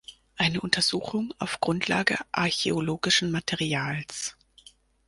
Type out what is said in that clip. Eine Untersuchung auf Grundlage archäologischen Materials".